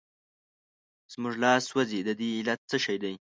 زموږ لاس سوځي د دې علت څه شی دی؟